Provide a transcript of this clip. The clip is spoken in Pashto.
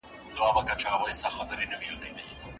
خال دې په خيالونو کې راونغاړه